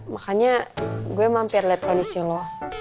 makanya gue mampir lihat kondisi lo